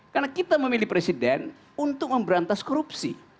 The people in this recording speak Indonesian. karena kita memilih presiden untuk memberantas korupsi